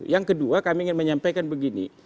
yang kedua kami ingin menyampaikan begini